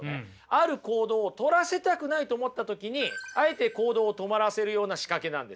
ある行動をとらせたくないと思った時にあえて行動を止まらせるような仕掛けなんですよ。